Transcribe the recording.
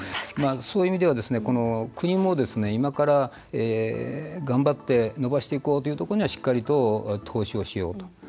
そういう意味では国も今から頑張って伸ばしていこうというところにはしっかりと、投資をしようと。